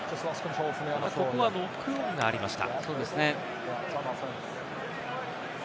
ここはノックオンがありました。